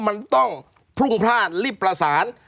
มันต้องพรุ่งพลาดรีบประสาน